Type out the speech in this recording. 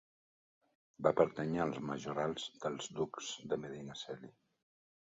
Va pertànyer als majorals dels Ducs de Medinaceli.